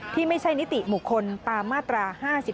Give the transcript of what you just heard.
ที่ไม่ใช่นิติบุคคลตามมาตรา๕๔